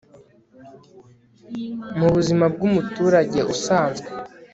mu buzima bw'umuturage usanzwe